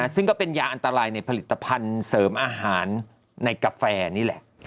ซึ่งก็เป็นยาอันตรายในผลิตภัณฑ์เสริมอาหารในกาแฟนี่แหละ